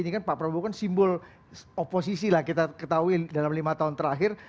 ini kan pak prabowo kan simbol oposisi lah kita ketahui dalam lima tahun terakhir